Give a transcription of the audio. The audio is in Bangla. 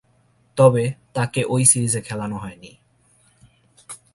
তবে, তাকে ঐ সিরিজে খেলানো হয়নি।